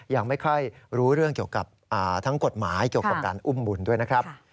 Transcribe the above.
ยังไม่ค่อยรู้เรื่องเกี่ยวกับทั้งกฎหมายเกี่ยวกับการอุ้มบุญด้วยนะครับ